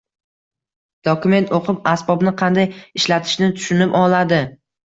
Dokument o’qib, asbobni qanday ishlatishni tushunib oladi